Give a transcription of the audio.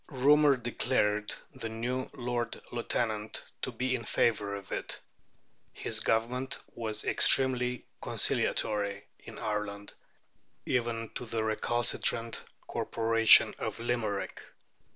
Rumour declared the new Lord Lieutenant to be in favour of it. His government was extremely conciliatory in Ireland, even to the recalcitrant corporation of Limerick.